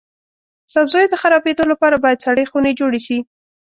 سبزیو د خرابیدو لپاره باید سړې خونې جوړې شي.